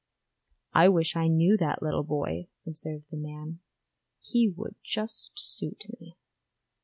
'I wish I knew that little boy,' observed the man. 'He would just suit me.'